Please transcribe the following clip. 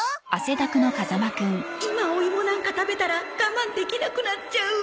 今おいもなんか食べたら我慢できなくなっちゃう